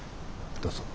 どうぞ。